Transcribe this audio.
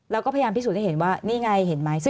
เราก็พยายามพิสูจน์ให้เห็นว่านี่ไงเห็นไหม